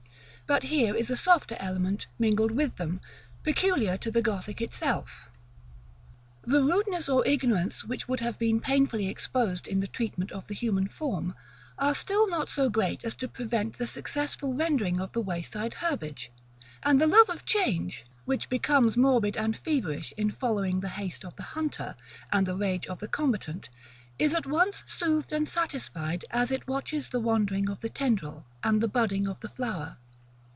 But here is a softer element mingled with them, peculiar to the Gothic itself. The rudeness or ignorance which would have been painfully exposed in the treatment of the human form, are still not so great as to prevent the successful rendering of the wayside herbage; and the love of change, which becomes morbid and feverish in following the haste of the hunter, and the rage of the combatant, is at once soothed and satisfied as it watches the wandering of the tendril, and the budding of the flower.